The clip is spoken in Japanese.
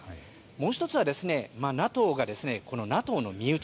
もう１つは、ＮＡＴＯがこのＮＡＴＯの身内